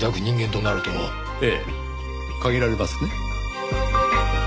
ええ限られますね。